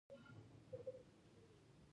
کور پاک ساتئ